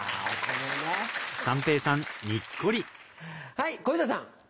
はい小遊三さん。